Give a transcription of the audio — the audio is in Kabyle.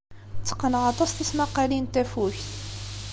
Tteqqneɣ aṭas tismaqqalin n tafukt.